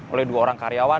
oleh dua orang karyawan